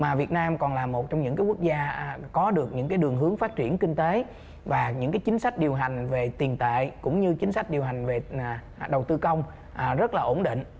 mà việt nam còn là một trong những quốc gia có được những đường hướng phát triển kinh tế và những chính sách điều hành về tiền tệ cũng như chính sách điều hành về đầu tư công rất là ổn định